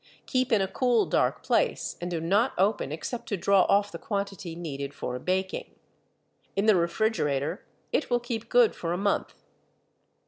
Keep in a cool, dark place, and do not open except to draw off the quantity needed for a baking. In the refrigerator it will keep good for a month.